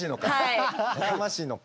やかましいのか？